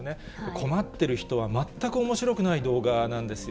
困ってる人は全くおもしろくない動画なんですよ。